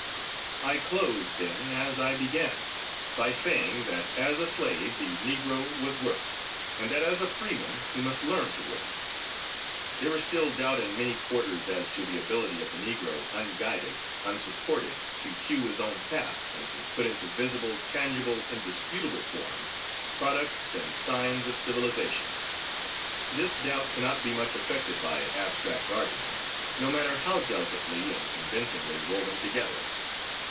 I close, then, as I began, by saying that as a slave the Negro was worked, and that as a freeman he must learn to work. There is still doubt in many quarters as to the ability of the Negro unguided, unsupported, to hew his own path and put into visible, tangible, indisputable form, products and signs of civilization. This doubt cannot be much affected by abstract arguments, no matter how delicately and convincingly woven together.